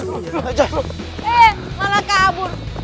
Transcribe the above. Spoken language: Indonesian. eh malah kabur